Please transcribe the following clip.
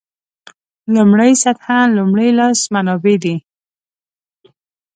لومړۍ سطح لومړي لاس منابع دي.